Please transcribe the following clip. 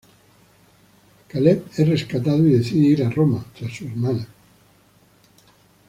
Caleb es rescatado y decide ir a Roma tras su hermana.